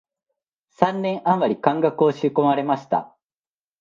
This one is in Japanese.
三年あまり漢学を仕込まれました